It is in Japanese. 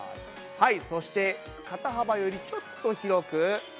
はいそして肩幅よりちょっと広くやったらですね